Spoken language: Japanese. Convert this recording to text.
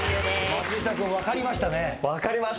松下君分かりましたね。